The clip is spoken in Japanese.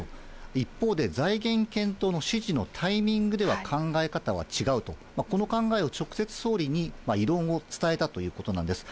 一方で財源検討の指示のタイミングでは考え方は違うと、この考えを直接、総理に異論を伝えたということなんです。